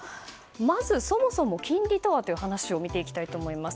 まずそもそも金利とはという話を見ていきたいと思います。